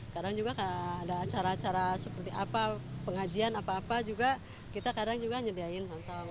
kadang juga ada acara acara seperti apa pengajian apa apa juga kita kadang juga nyediain kantong